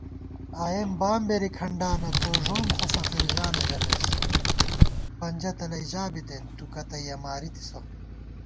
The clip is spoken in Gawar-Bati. آئېم بامبېری کھڈانہ تو ݫوم خو فقیرجانہ ژمېس * پنجہ تلَئ ژا بِتېن تُو کتّیَہ مارِتِسہ